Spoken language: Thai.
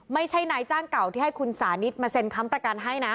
ไม่ใช่นายจ้างเก่าที่ให้คุณสานิทมาเซ็นค้ำประกันให้นะ